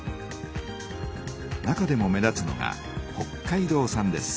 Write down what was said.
中でも目立つのが北海道産です。